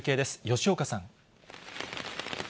吉岡さん。